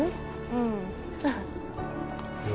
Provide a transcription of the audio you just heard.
うん。